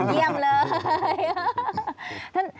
เยี่ยมเลย